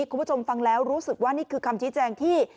คุณผู้ชมฟังแล้วรู้สึกว่านี่คือคำชี้แจงที่